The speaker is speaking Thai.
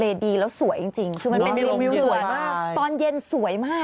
ปรากฏว่า